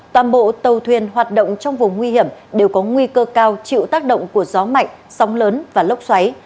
toàn bộ tàu thuyền hoạt động trong vùng nguy hiểm đều có nguy cơ cao chịu tác động của gió mạnh sóng lớn và lốc xoáy